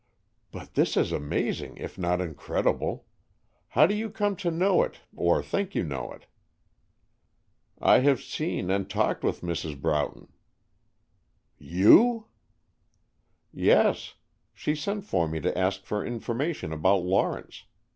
"But this is amazing, if not incredible. How do you come to know it, or think you know it?" "I have seen and talked with Mrs. Broughton." "You!" "Yes. She sent for me to ask for information about Lawrence.